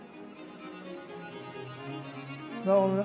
なるほどね。